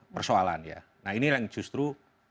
persoalan ya nah ini yang justru